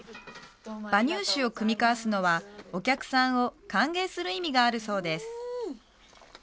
馬乳酒を酌み交わすのはお客さんを歓迎する意味があるそうです